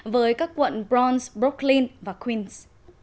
với các quận browns brooklyn và queens